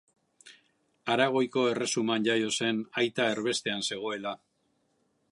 Aragoiko erresuman jaio zen aita erbestean zegoela.